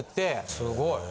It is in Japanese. すごい。